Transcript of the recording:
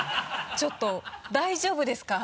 ちょっと大丈夫ですか？